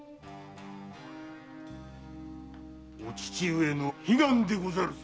お父上の悲願でござるぞ。